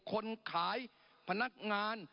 คนขายพนักงาน